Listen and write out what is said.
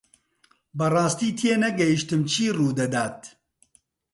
بەڕاستی تێنەگەیشتم چی ڕوودەدات.